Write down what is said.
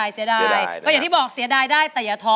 เสียดายก็อย่างที่บอกเสียดายได้แต่อย่าท้อ